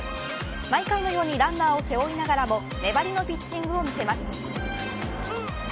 毎回のようにランナーを背負いながらも粘りのピッチングを見せます。